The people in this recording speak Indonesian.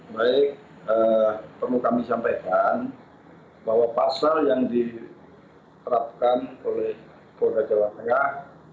baik perlu kami sampaikan bahwa pasal yang diterapkan oleh polda jawa tengah